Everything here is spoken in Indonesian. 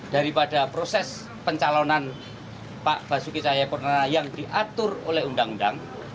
daripada proses pencalonan pak basuki cahayapurna yang diatur oleh undang undang